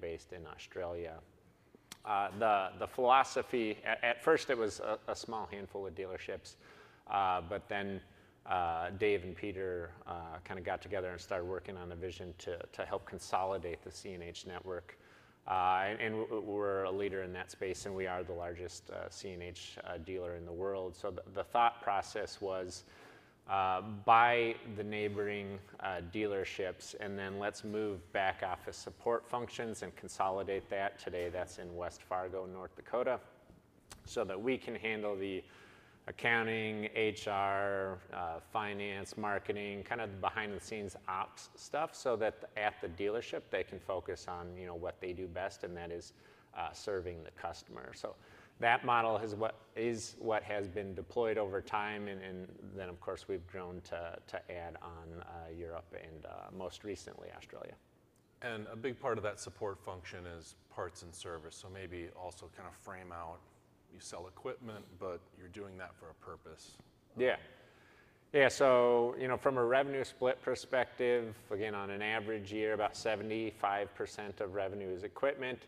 Based in Australia. The philosophy, at first it was a small handful of dealerships, but then, Dave and Peter, kind of got together and started working on a vision to help consolidate the CNH network. And we're a leader in that space, and we are the largest, CNH dealer in the world. So the thought process was, buy the neighboring, dealerships, and then let's move back office support functions and consolidate that. Today, that's in West Fargo, North Dakota, so that we can handle the accounting, HR, finance, marketing, kind of the behind-the-scenes ops stuff, so that at the dealership they can focus on, you know, what they do best, and that is, serving the customer. So that model is what has been deployed over time, and then, of course, we've grown to add on, Europe and, most recently, Australia. A big part of that support function is parts and service, so maybe also kind of frame out you sell equipment, but you're doing that for a purpose. Yeah. Yeah, so, you know, from a revenue split perspective, again, on an average year, about 75% of revenue is equipment,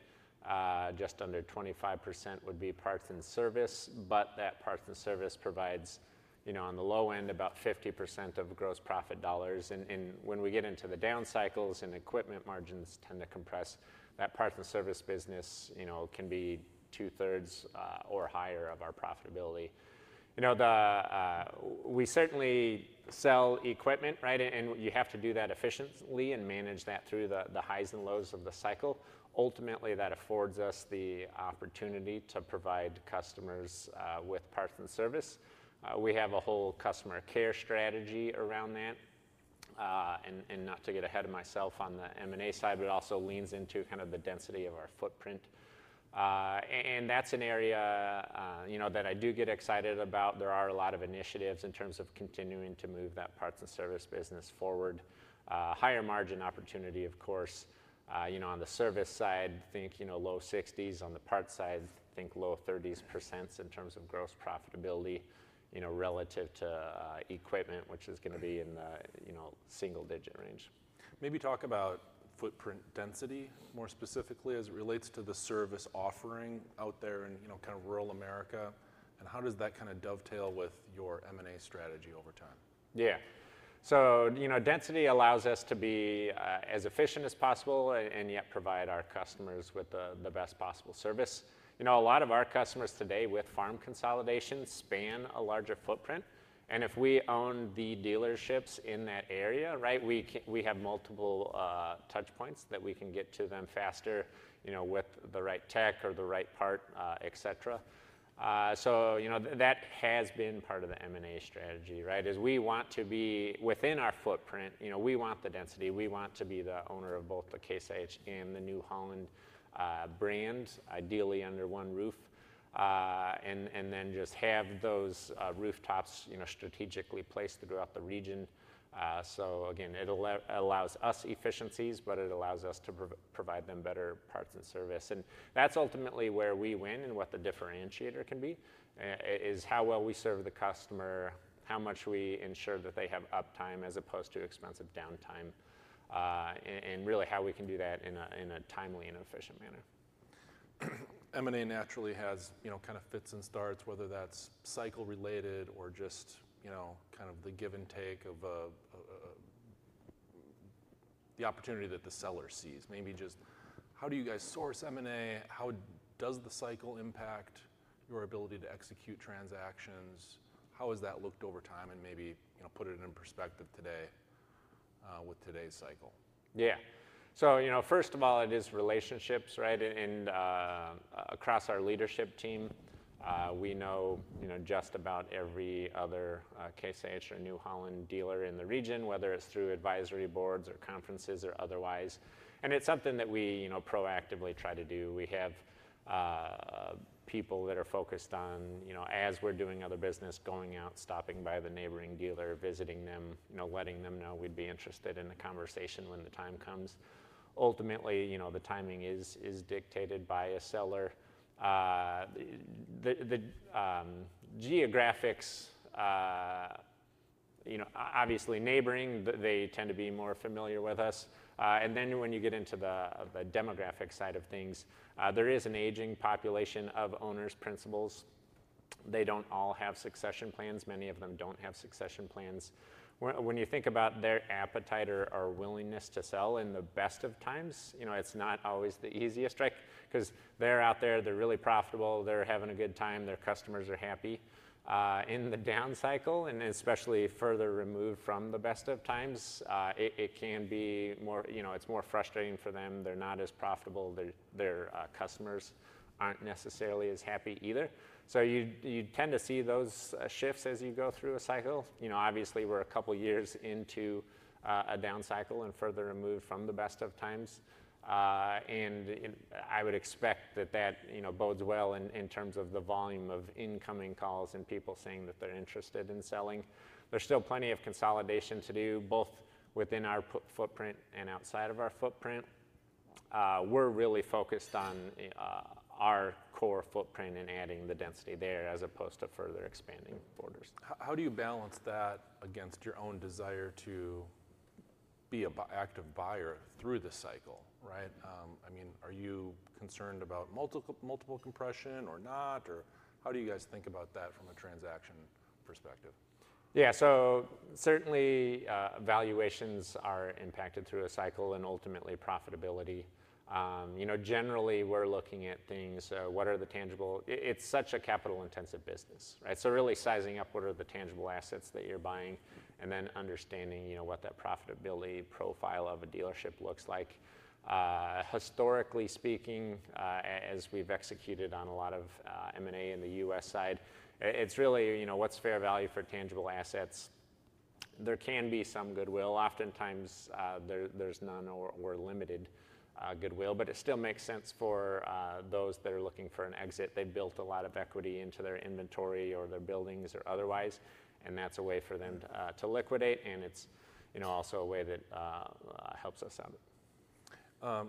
just under 25% would be parts and service, but that parts and service provides, you know, on the low end, about 50% of gross profit dollars. And when we get into the down cycles and equipment margins tend to compress, that parts and service business, you know, can be two-thirds or higher of our profitability. You know, we certainly sell equipment, right, and you have to do that efficiently and manage that through the highs and lows of the cycle. Ultimately, that affords us the opportunity to provide customers with parts and service. We have a whole customer care strategy around that, and not to get ahead of myself on the M&A side, but it also leans into kind of the density of our footprint. And that's an area, you know, that I do get excited about. There are a lot of initiatives in terms of continuing to move that parts and service business forward. Higher margin opportunity, of course. You know, on the service side, think, you know, low 60s%. On the parts side, think low 30s% in terms of gross profitability, you know, relative to equipment, which is going to be in the, you know, single-digit range. Maybe talk about footprint density more specifically as it relates to the service offering out there in, you know, kind of rural America, and how does that kind of dovetail with your M&A strategy over time? Yeah. So, you know, density allows us to be as efficient as possible and yet provide our customers with the best possible service. You know, a lot of our customers today with farm consolidation span a larger footprint, and if we own the dealerships in that area, right, we have multiple touch points that we can get to them faster, you know, with the right tech or the right part, etc. So, you know, that has been part of the M&A strategy, right, is we want to be within our footprint. You know, we want the density. We want to be the owner of both the Case IH and the New Holland brands, ideally under one roof, and then just have those rooftops, you know, strategically placed throughout the region. So again, it allows us efficiencies, but it allows us to provide them better parts and service. That's ultimately where we win and what the differentiator can be is how well we serve the customer, how much we ensure that they have uptime as opposed to expensive downtime, and really how we can do that in a timely and efficient manner. M&A naturally has, you know, kind of fits and starts, whether that's cycle-related or just, you know, kind of the give and take of the opportunity that the seller sees. Maybe just how do you guys source M&A? How does the cycle impact your ability to execute transactions? How has that looked over time and maybe, you know, put it in perspective today, with today's cycle? Yeah. So, you know, first of all, it is relationships, right, and across our leadership team, we know, you know, just about every other Case IH or New Holland dealer in the region, whether it's through advisory boards or conferences or otherwise. And it's something that we, you know, proactively try to do. We have people that are focused on, you know, as we're doing other business, going out, stopping by the neighboring dealer, visiting them, you know, letting them know we'd be interested in a conversation when the time comes. Ultimately, you know, the timing is dictated by a seller. The geographics, you know, obviously neighboring, they tend to be more familiar with us, and then when you get into the demographic side of things, there is an aging population of owner-principals. They don't all have succession plans. Many of them don't have succession plans. When you think about their appetite or willingness to sell in the best of times, you know, it's not always the easiest, right, because they're out there, they're really profitable, they're having a good time, their customers are happy. In the down cycle, and especially further removed from the best of times, it can be more, you know, it's more frustrating for them. They're not as profitable. Their customers aren't necessarily as happy either. So you tend to see those shifts as you go through a cycle. You know, obviously we're a couple of years into a down cycle and further removed from the best of times. And I would expect that, you know, bodes well in terms of the volume of incoming calls and people saying that they're interested in selling. There's still plenty of consolidation to do both within our footprint and outside of our footprint. We're really focused on our core footprint and adding the density there as opposed to further expanding borders. How do you balance that against your own desire to be an active buyer through the cycle, right? I mean, are you concerned about multiple compression or not, or how do you guys think about that from a transaction perspective? Yeah, so certainly, valuations are impacted through a cycle and ultimately profitability. You know, generally we're looking at things, what are the tangible assets that you're buying? It's such a capital-intensive business, right? So really sizing up what are the tangible assets that you're buying and then understanding, you know, what that profitability profile of a dealership looks like. Historically speaking, as we've executed on a lot of M&A in the U.S. side, it's really, you know, what's fair value for tangible assets. There can be some goodwill. Oftentimes, there's none or limited goodwill, but it still makes sense for those that are looking for an exit. They've built a lot of equity into their inventory or their buildings or otherwise, and that's a way for them to liquidate, and it's, you know, also a way that helps us out.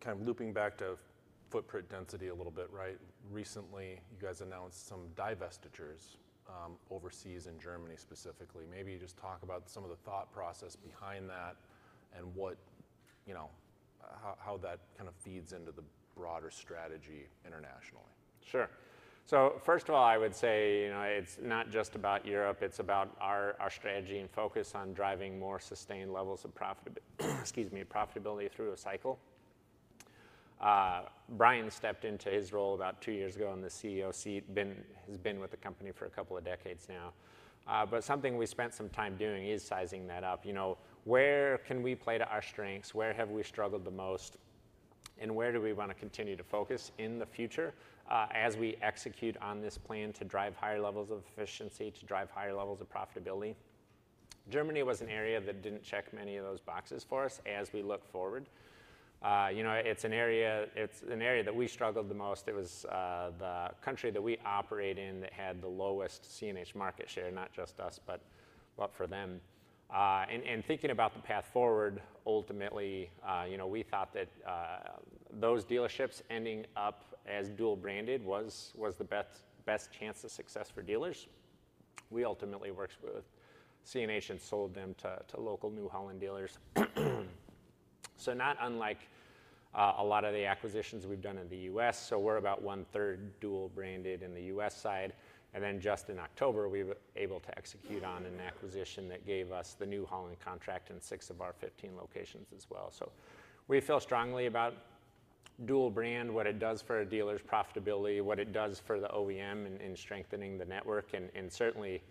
Kind of looping back to footprint density a little bit, right? Recently, you guys announced some divestitures, overseas in Germany specifically. Maybe just talk about some of the thought process behind that and what, you know, how that kind of feeds into the broader strategy internationally. Sure. So first of all, I would say, you know, it's not just about Europe. It's about our strategy and focus on driving more sustained levels of profitability through a cycle. Bryan stepped into his role about two years ago on the CEO seat. He's been with the company for a couple of decades now. But something we spent some time doing is sizing that up. You know, where can we play to our strengths? Where have we struggled the most? And where do we want to continue to focus in the future, as we execute on this plan to drive higher levels of efficiency, to drive higher levels of profitability? Germany was an area that didn't check many of those boxes for us as we look forward. You know, it's an area that we struggled the most. It was the country that we operate in that had the lowest CNH market share, not just us, but for them, and thinking about the path forward, ultimately, you know, we thought that those dealerships ending up as dual-branded was the best chance of success for dealers. We ultimately worked with CNH and sold them to local New Holland dealers. So not unlike a lot of the acquisitions we've done in the U.S. So we're about one-third dual-branded in the U.S. side. And then just in October, we were able to execute on an acquisition that gave us the New Holland contract in six of our 15 locations as well. So we feel strongly about dual-branded, what it does for a dealer's profitability, what it does for the OEM in strengthening the network. Certainly,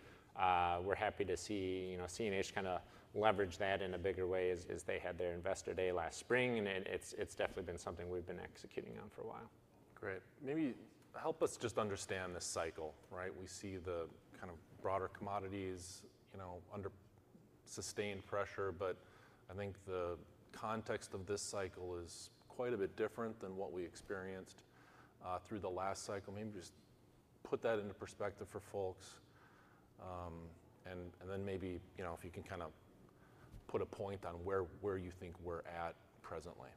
we're happy to see, you know, CNH kind of leverage that in a bigger way as they had their investor day last spring. It's definitely been something we've been executing on for a while. Great. Maybe help us just understand this cycle, right? We see the kind of broader commodities, you know, under sustained pressure, but I think the context of this cycle is quite a bit different than what we experienced, through the last cycle. Maybe just put that into perspective for folks, and then maybe, you know, if you can kind of put a point on where you think we're at presently.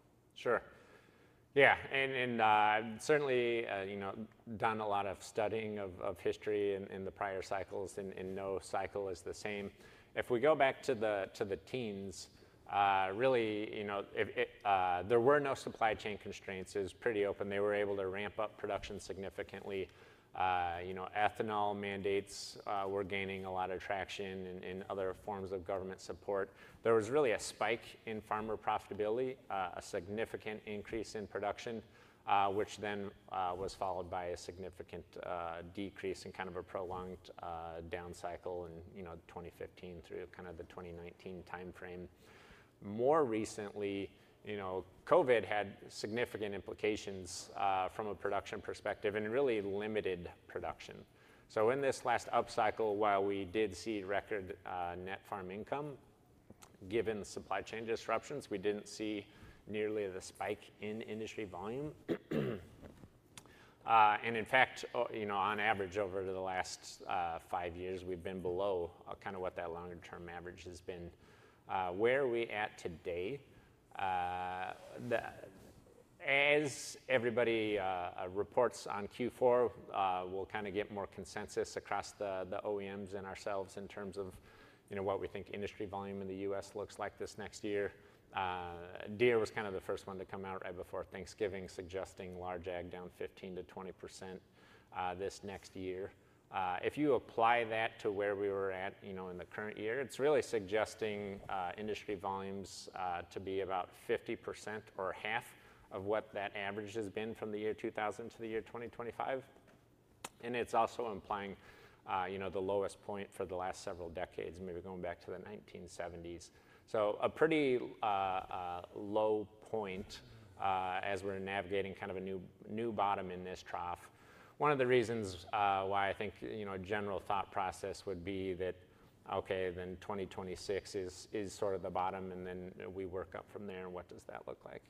Sure. Yeah. And certainly, you know, done a lot of studying of history in the prior cycles, and no cycle is the same. If we go back to the teens, really, you know, there were no supply chain constraints. It was pretty open. They were able to ramp up production significantly, you know. Ethanol mandates were gaining a lot of traction and other forms of government support. There was really a spike in farmer profitability, a significant increase in production, which then was followed by a significant decrease and kind of a prolonged down cycle in, you know, 2015 through kind of the 2019 timeframe. More recently, you know, COVID had significant implications from a production perspective and really limited production. So in this last up cycle, while we did see record net farm income, given supply chain disruptions, we didn't see nearly the spike in industry volume. And in fact, you know, on average over the last five years, we've been below kind of what that longer-term average has been. Where are we at today? As everybody reports on Q4, we'll kind of get more consensus across the OEMs and ourselves in terms of, you know, what we think industry volume in the U.S. looks like this next year. Deere was kind of the first one to come out right before Thanksgiving, suggesting large ag down 15%-20%, this next year. If you apply that to where we were at, you know, in the current year, it's really suggesting, industry volumes, to be about 50% or half of what that average has been from the year 2000 to the year 2025. And it's also implying, you know, the lowest point for the last several decades, maybe going back to the 1970s. So a pretty low point as we're navigating kind of a new bottom in this trough. One of the reasons why I think you know a general thought process would be that okay then 2026 is sort of the bottom and then we work up from there. And what does that look like?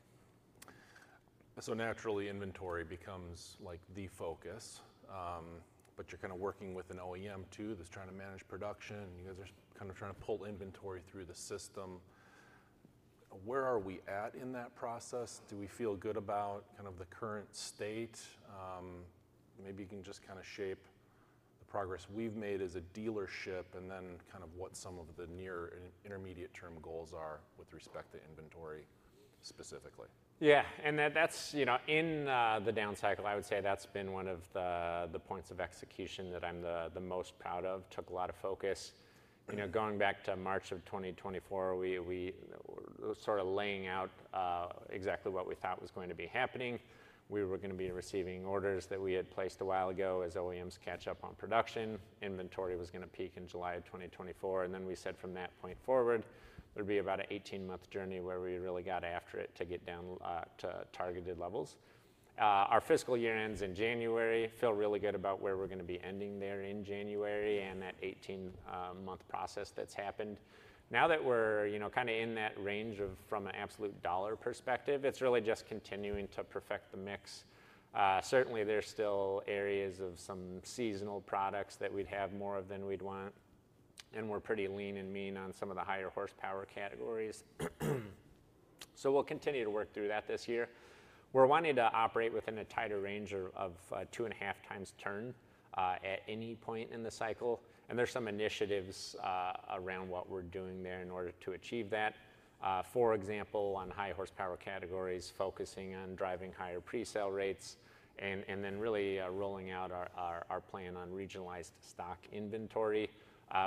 So naturally, inventory becomes like the focus. But you're kind of working with an OEM too that's trying to manage production, and you guys are kind of trying to pull inventory through the system. Where are we at in that process? Do we feel good about kind of the current state? Maybe you can just kind of shape the progress we've made as a dealership and then kind of what some of the near-intermediate-term goals are with respect to inventory specifically. Yeah. And that's, you know, in the down cycle, I would say that's been one of the points of execution that I'm the most proud of. Took a lot of focus. You know, going back to March of 2024, we were sort of laying out exactly what we thought was going to be happening. We were going to be receiving orders that we had placed a while ago as OEMs catch up on production. Inventory was going to peak in July of 2024. And then we said from that point forward, there'd be about an 18-month journey where we really got after it to get down to targeted levels. Our fiscal year ends in January. Feel really good about where we're going to be ending there in January and that 18-month process that's happened. Now that we're, you know, kind of in that range of from an absolute dollar perspective, it's really just continuing to perfect the mix. Certainly there's still areas of some seasonal products that we'd have more of than we'd want. And we're pretty lean and mean on some of the higher horsepower categories. So we'll continue to work through that this year. We're wanting to operate within a tighter range of two and a half times turn, at any point in the cycle. And there's some initiatives, around what we're doing there in order to achieve that. For example, on high horsepower categories, focusing on driving higher presale rates and then really rolling out our plan on regionalized stock inventory,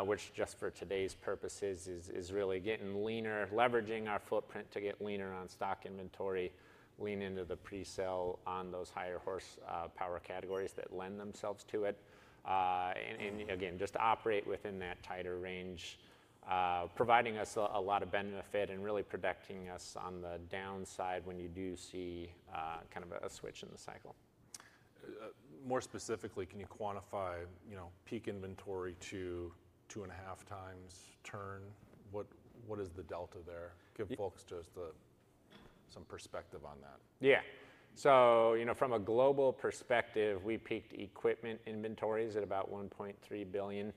which just for today's purposes is really getting leaner, leveraging our footprint to get leaner on stock inventory, lean into the presale on those higher horsepower categories that lend themselves to it, and again, just operate within that tighter range, providing us a lot of benefit and really protecting us on the downside when you do see kind of a switch in the cycle. More specifically, can you quantify, you know, peak inventory to two and a half times turn? What is the delta there? Give folks just some perspective on that. Yeah. So, you know, from a global perspective, we peaked equipment inventories at about $1.3 billion.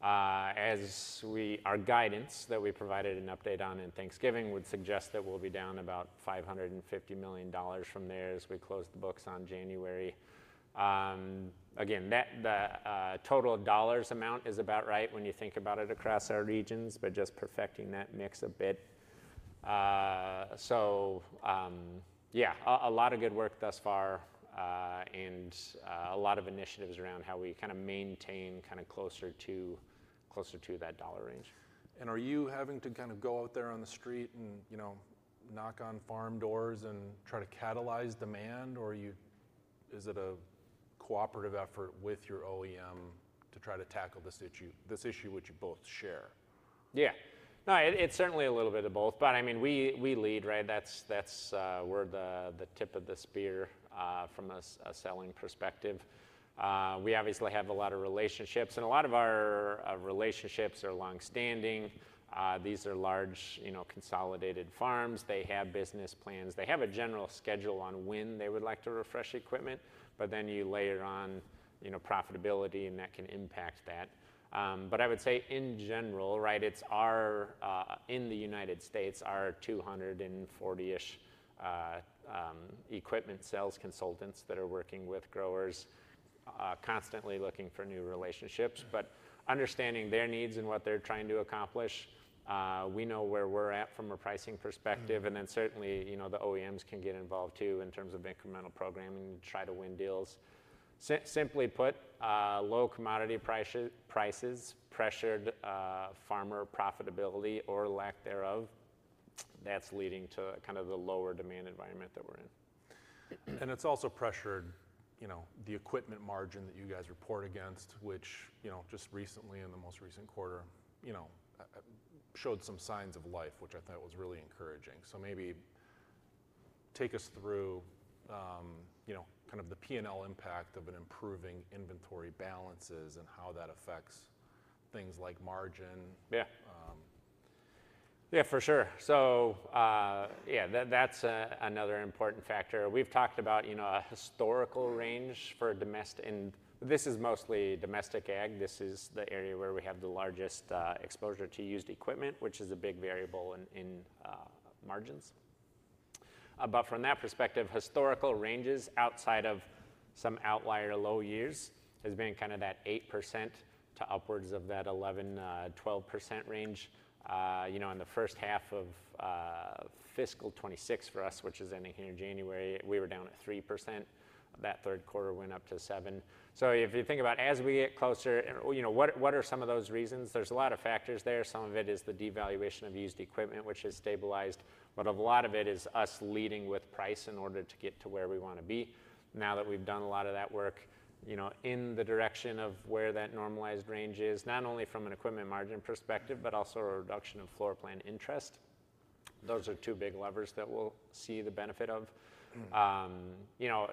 As we, our guidance that we provided an update on in Thanksgiving would suggest that we'll be down about $550 million from there as we close the books on January. Again, that total dollars amount is about right when you think about it across our regions, but just perfecting that mix a bit, yeah, a lot of good work thus far, and a lot of initiatives around how we kind of maintain closer to that dollar range. Are you having to kind of go out there on the street and, you know, knock on farm doors and try to catalyze demand, or is it a cooperative effort with your OEM to try to tackle this issue which you both share? Yeah. No, it's certainly a little bit of both, but I mean, we lead, right? That's, we're the tip of the spear, from a selling perspective. We obviously have a lot of relationships, and a lot of our relationships are longstanding. These are large, you know, consolidated farms. They have business plans. They have a general schedule on when they would like to refresh equipment, but then you layer on, you know, profitability, and that can impact that. But I would say in general, right, it's our in the United States, our 240-ish equipment sales consultants that are working with growers, constantly looking for new relationships, but understanding their needs and what they're trying to accomplish. We know where we're at from a pricing perspective, and then certainly, you know, the OEMs can get involved too in terms of incremental programming to try to win deals. Simply put, low commodity prices pressured farmer profitability or lack thereof, that's leading to kind of the lower demand environment that we're in. It's also pressured, you know, the equipment margin that you guys report against, which, you know, just recently in the most recent quarter, you know, showed some signs of life, which I thought was really encouraging. Maybe take us through, you know, kind of the P&L impact of an improving inventory balances and how that affects things like margin. Yeah. Yeah, for sure. So, yeah, that's another important factor. We've talked about, you know, a historical range for domestic, and this is mostly domestic ag. This is the area where we have the largest, exposure to used equipment, which is a big variable in margins. But from that perspective, historical ranges outside of some outlier low years has been kind of that 8% to upwards of that 11%-12% range. You know, in the first half of fiscal 2026 for us, which is ending here in January, we were down at 3%. That third quarter went up to 7%. So if you think about as we get closer, you know, what are some of those reasons? There's a lot of factors there. Some of it is the devaluation of used equipment, which has stabilized, but a lot of it is us leading with price in order to get to where we want to be. Now that we've done a lot of that work, you know, in the direction of where that normalized range is, not only from an equipment margin perspective, but also a reduction of floor plan interest. Those are two big levers that we'll see the benefit of. You know,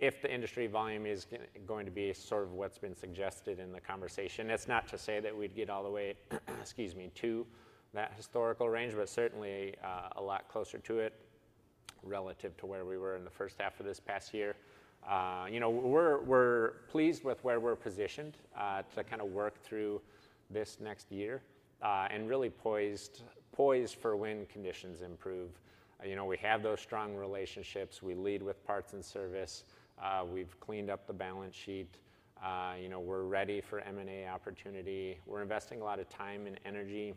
if the industry volume is going to be sort of what's been suggested in the conversation, it's not to say that we'd get all the way, excuse me, to that historical range, but certainly a lot closer to it relative to where we were in the first half of this past year. You know, we're pleased with where we're positioned to kind of work through this next year, and really poised for when conditions improve. You know, we have those strong relationships. We lead with parts and service. We've cleaned up the balance sheet. You know, we're ready for M&A opportunity. We're investing a lot of time and energy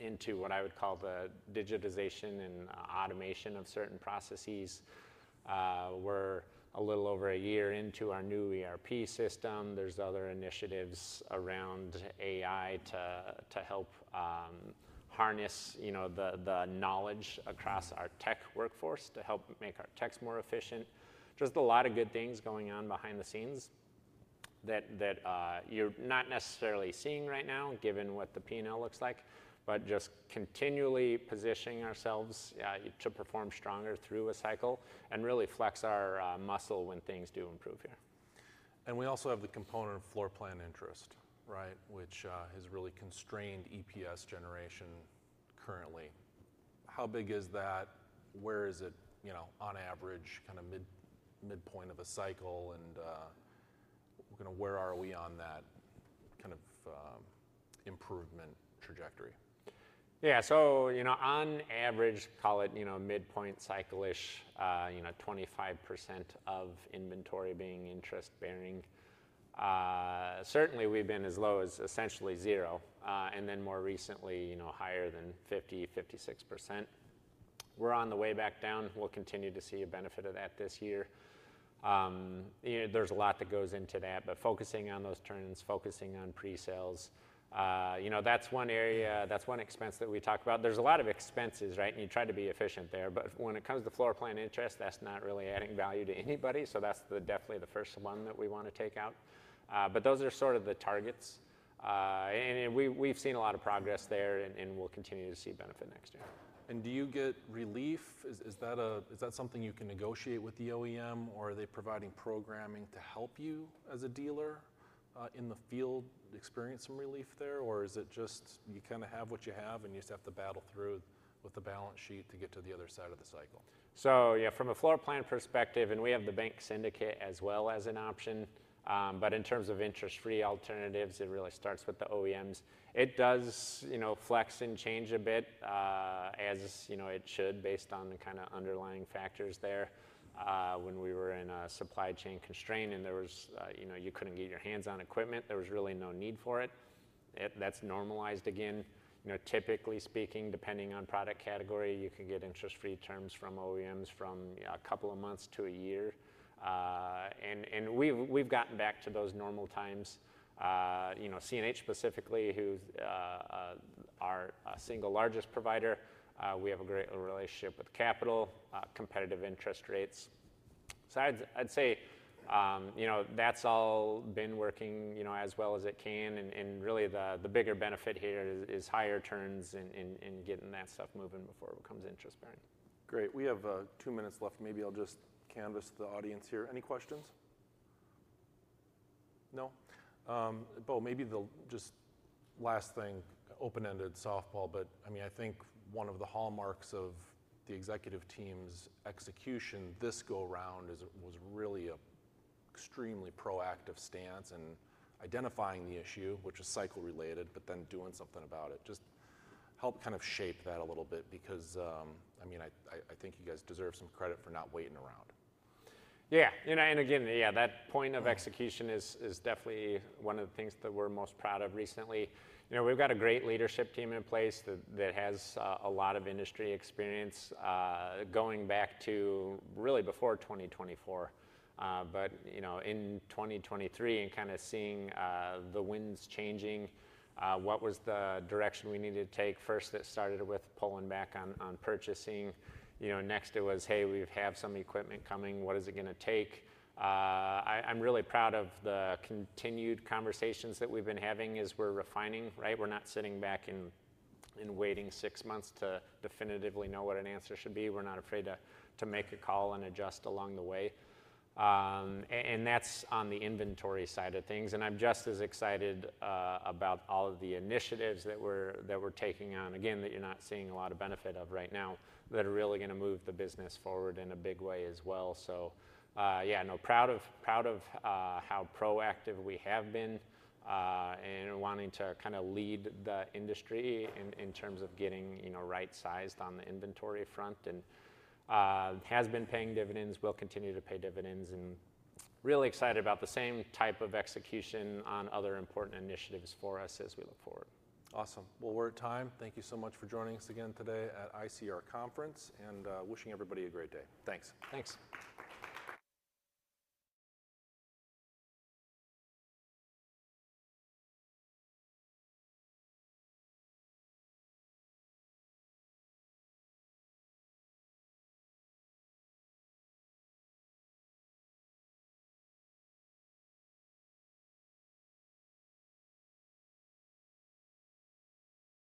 into what I would call the digitization and automation of certain processes. We're a little over a year into our new ERP system. There's other initiatives around AI to help harness, you know, the knowledge across our tech workforce to help make our techs more efficient. Just a lot of good things going on behind the scenes that you're not necessarily seeing right now given what the P&L looks like, but just continually positioning ourselves to perform stronger through a cycle and really flex our muscle when things do improve here. And we also have the component of floor plan interest, right, which has really constrained EPS generation currently. How big is that? Where is it, you know, on average, kind of midpoint of a cycle? And kind of where are we on that kind of improvement trajectory? Yeah. So, you know, on average, call it, you know, midpoint cycle-ish, you know, 25% of inventory being interest-bearing. Certainly we've been as low as essentially zero and then more recently, you know, higher than 50%, 56%. We're on the way back down. We'll continue to see a benefit of that this year. You know, there's a lot that goes into that, but focusing on those turns, focusing on presales, you know, that's one area, that's one expense that we talk about. There's a lot of expenses, right? And you try to be efficient there, but when it comes to floor plan interest, that's not really adding value to anybody. So that's definitely the first one that we want to take out, but those are sort of the targets and we, we've seen a lot of progress there and we'll continue to see benefit next year. Do you get relief? Is that something you can negotiate with the OEM or are they providing programming to help you as a dealer, in the field, experience some relief there? Or is it just you kind of have what you have and you just have to battle through with the balance sheet to get to the other side of the cycle? So yeah, from a floor plan perspective, and we have the bank syndicate as well as an option. But in terms of interest-free alternatives, it really starts with the OEMs. It does, you know, flex and change a bit, as, you know, it should based on the kind of underlying factors there. When we were in a supply chain constraint and there was, you know, you couldn't get your hands on equipment, there was really no need for it. That's normalized again. You know, typically speaking, depending on product category, you can get interest-free terms from OEMs from a couple of months to a year. And we've gotten back to those normal times. You know, CNH specifically, which is our single largest provider, we have a great relationship with Capital, competitive interest rates. So I'd say, you know, that's all been working, you know, as well as it can. And really the bigger benefit here is higher turns in getting that stuff moving before it becomes interest-bearing. Great. We have two minutes left. Maybe I'll just canvass the audience here. Any questions? No? Bo, maybe the just last thing, open-ended softball, but I mean, I think one of the hallmarks of the executive team's execution this go-round is it was really an extremely proactive stance and identifying the issue, which was cycle-related, but then doing something about it. Just help kind of shape that a little bit because, I mean, I think you guys deserve some credit for not waiting around. Yeah. Again, yeah, that point of execution is definitely one of the things that we're most proud of recently. You know, we've got a great leadership team in place that has a lot of industry experience, going back to really before 2024. But you know, in 2023 and kind of seeing the winds changing, what was the direction we needed to take first that started with pulling back on purchasing. You know, next it was, hey, we have some equipment coming. What is it going to take? I'm really proud of the continued conversations that we've been having as we're refining, right? We're not sitting back in waiting six months to definitively know what an answer should be. We're not afraid to make a call and adjust along the way. That's on the inventory side of things. I'm just as excited about all of the initiatives that we're taking on, again, that you're not seeing a lot of benefit of right now that are really going to move the business forward in a big way as well. Yeah, no, proud of how proactive we have been and wanting to kind of lead the industry in terms of getting you know right-sized on the inventory front and has been paying dividends, will continue to pay dividends and really excited about the same type of execution on other important initiatives for us as we look forward. Awesome. Well, we're at time. Thank you so much for joining us again today at ICR Conference and, wish.